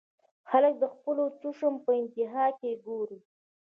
خلک د خپلو چشمو پۀ انتها کښې ګوري -